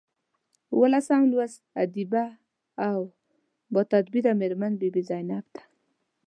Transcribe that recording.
اوولسم لوست ادیبه او باتدبیره میرمن بي بي زینب ده.